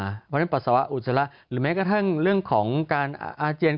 เพราะฉะนั้นปัสสาวะอุจจาระหรือแม้กระทั่งเรื่องของการอาเจียน